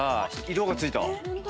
色が付いた。